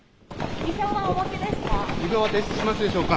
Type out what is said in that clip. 辞表はお持ちですか？